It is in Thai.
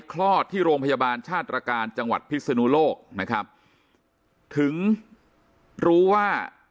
คลอดที่โรงพยาบาลชาติตรการจังหวัดพิศนุโลกนะครับถึงรู้ว่า